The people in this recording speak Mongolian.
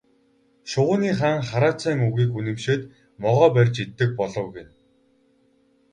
Шувууны хаан хараацайн үгийг үнэмшээд могой барьж иддэг болов гэнэ.